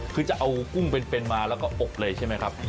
คือจะเอากุ้งเป็นมาแล้วก็อบเลยใช่ไหมครับ